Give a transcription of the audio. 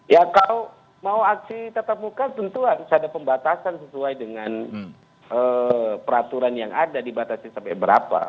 ya kalau mau aksi tetap muka tentu harus ada pembatasan sesuai dengan peraturan yang ada dibatasi sampai berapa